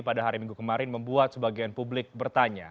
pada hari minggu kemarin membuat sebagian publik bertanya